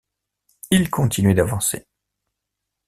Il continuait d’avancer.